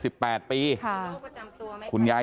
สวัสดีครับคุณผู้ชาย